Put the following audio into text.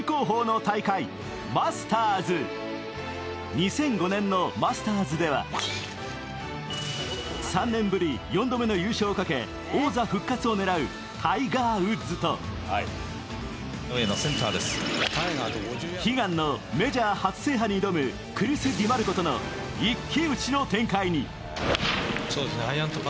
２００５年のマスターズでは３年ぶり４度目の優勝をかけ王座復活を狙うタイガー・ウッズと悲願のメジャー初制覇に挑むクリス・ディマルコとの一騎打ちの展開に！